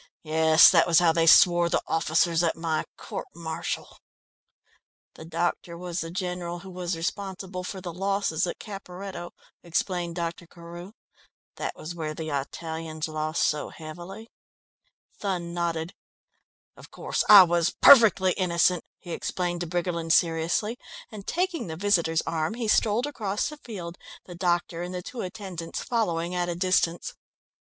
Yes, that was how they swore the officers at my court martial." "The doctor was the general who was responsible for the losses at Caperetto," explained Dr. Carew. "That was where the Italians lost so heavily." Thun nodded. "Of course, I was perfectly innocent," he explained to Briggerland seriously, and taking the visitor's arm he strolled across the field, the doctor and the two attendants following at a distance.